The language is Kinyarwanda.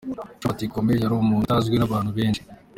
Trump ati “Comey yari umuntu utazwi n’abantu benshi.